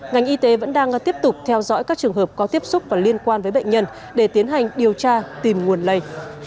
ngành y tế vẫn đang tiếp tục theo dõi các trường hợp có tiếp xúc và liên quan với bệnh nhân để tiến hành điều tra tìm nguồn lây